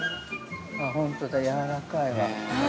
◆本当だ、やわらかいわ。